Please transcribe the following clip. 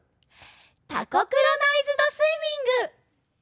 「タコクロナイズドスイミング」。